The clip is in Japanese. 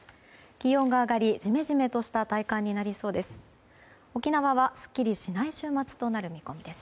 気温が上がりジメジメとした体感になりそうです。